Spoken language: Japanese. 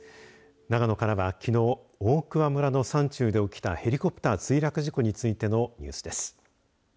長野からは、きのう大桑村の山中で起きたヘリコプター墜落事故についてのニュースです。